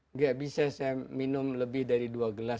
nggak bisa saya minum lebih dari dua gelas